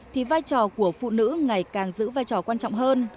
thì vai trò của phụ nữ ngày càng giữ vai trò quan trọng hơn